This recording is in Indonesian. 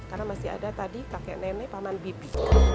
karena masih ada tadi kakek nenek paman bibi